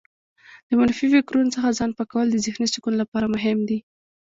د منفي فکرونو څخه ځان پاکول د ذهنې سکون لپاره مهم دي.